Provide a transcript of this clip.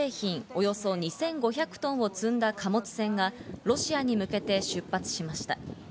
およそ２５００トンを積んだ貨物船がロシアに向けて出発しました。